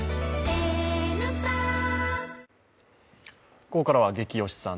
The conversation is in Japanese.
ここからは「ゲキ推しさん」